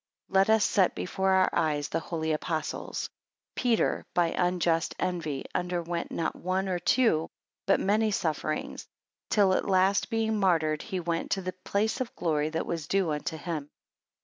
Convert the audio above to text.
12 Let us set before our eyes, the holy Apostles; Peter by unjust envy underwent not one or two, but many sufferings; till at last being martyred, he went to the place of glory that was due unto him.